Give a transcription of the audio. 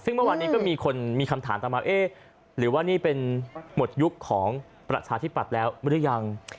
ซึ่งเมื่อวานนี้ก็มีคนมีคำถามตามมาเอ๊ะหรือว่านี่เป็นหมดยุคของประชาธิปัตย์แล้วหรือยัง